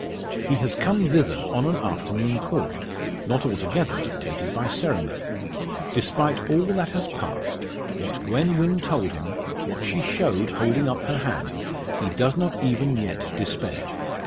He has come thither on an afternoon call, not altogether dictated by ceremony. Despite all that has passed what Gwen Wynn told him, what she showed holding up her hand he does not even yet despair.